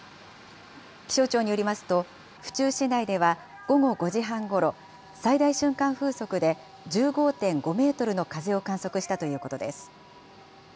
気象庁によりますと、府中市内では午後５時半ごろ、最大瞬間風速で１５．５メートルの風を観測したということです。